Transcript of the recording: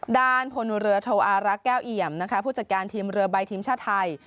ด้านพลเรือโทอารักษ์แก้วเอี่ยมนะคะผู้จัดการทีมเรือใบทีมชาติไทย